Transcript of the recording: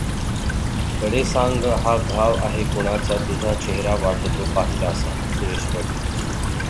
गडे सांग हा घाव आहे कुणाचा तुझा चेहरा वाटतो पाहिलासा, सुरेश भट.